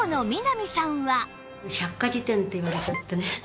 百科事典って言われちゃってね。